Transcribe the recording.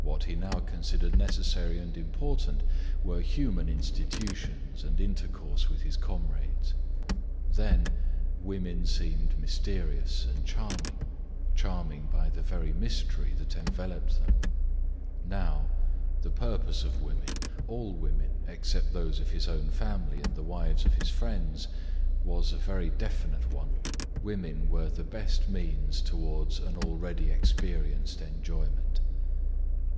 What he now considered necessary and important were human institutions and intercourse with his comrades. Then women seemed mysterious and charming charming by the very mystery that enveloped them; now the purpose of women, all women except those of his own family and the wives of his friends, was a very definite one: women were the best means towards an already experienced enjoyment.